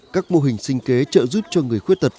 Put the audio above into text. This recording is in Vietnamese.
các mô hình sinh kế trợ giúp cho người khuyết tật